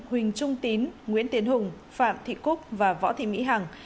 nguyễn trung huỳnh trung tín nguyễn tiến hùng phạm thị cúc và võ thị mỹ hằng